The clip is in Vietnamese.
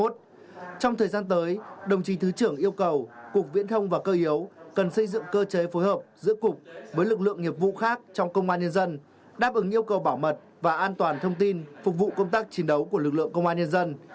trong thời gian tới đồng chí thứ trưởng yêu cầu cục viễn thông và cơ yếu cần xây dựng cơ chế phối hợp giữa cục với lực lượng nghiệp vụ khác trong công an nhân dân đáp ứng yêu cầu bảo mật và an toàn thông tin phục vụ công tác chiến đấu của lực lượng công an nhân dân